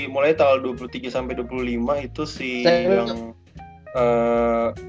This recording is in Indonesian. mulai tanggal dua puluh tiga sampai dua puluh lima itu sih yang